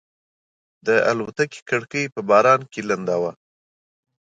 د الوتکې کړکۍ په باران کې لنده وه.